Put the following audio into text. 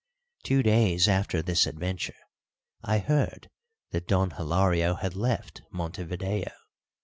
Two days after this adventure I heard that Don Hilario had left Montevideo.